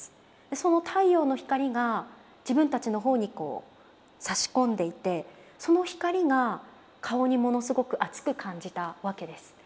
その太陽の光が自分たちの方にさし込んでいてその光が顔にものすごく熱く感じたわけです。